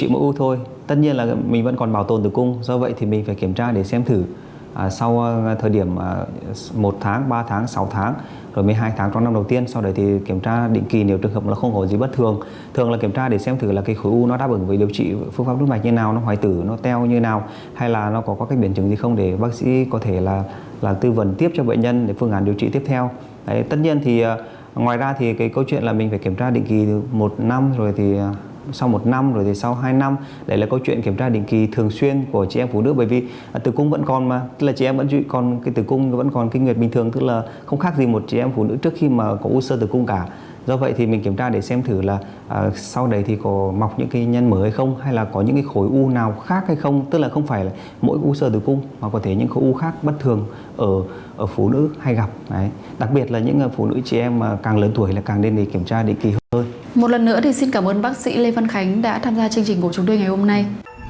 một lần nữa thì xin cảm ơn bác sĩ lê văn khánh đã tham gia chương trình của chúng tôi ngày hôm nay